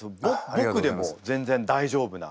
僕でも全然大丈夫な。